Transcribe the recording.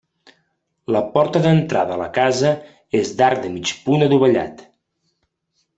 La porta d'entrada a la casa és d'arc de mig punt adovellat.